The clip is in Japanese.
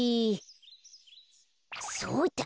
そうだ！